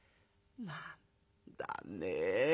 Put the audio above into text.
「何だねえ